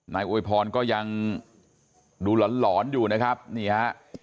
อวยพรก็ยังดูหลอนหลอนอยู่นะครับนี่ฮะ